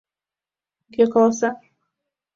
Кӧ каласа?